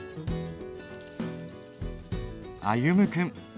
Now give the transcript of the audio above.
歩夢君。